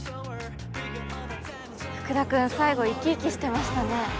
福田君最後生き生きしてましたね。